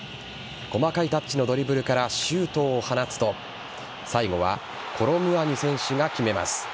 細かいタッチのドリブルからシュートを放つと最後はコロムアニ選手が決めます。